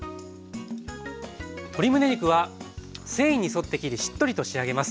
鶏むね肉は繊維に沿って切りしっとりと仕上げます。